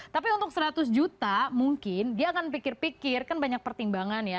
tapi untuk seratus juta mungkin dia akan pikir pikir kan banyak pertimbangan ya